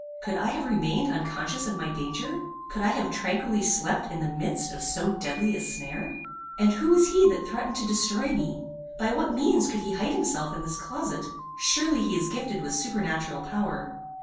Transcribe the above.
Could I have remained unconscious of my danger? Could I have tranquilly slept in the midst of so deadly a snare? And who was he that threatened to destroy me? By what means could he hide himself in this closet? Surely he is gifted with supernatural power.